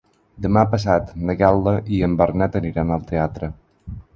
Demà passat na Gal·la i en Bernat aniran al teatre.